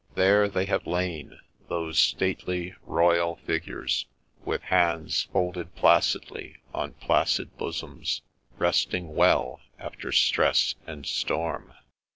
There they have lain, those stately, royal figures, with hands folded placidly on placid bosoms, resting well after stress and storm.